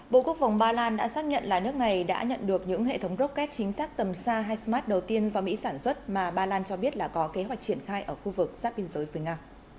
bộ quốc phòng ba lan đã xác nhận là nước này đã nhận được những hệ thống rocket chính xác tầm xa hasmart đầu tiên do mỹ sản xuất mà ba lan cho biết là có kế hoạch triển khai ở khu vực giáp biên giới với nga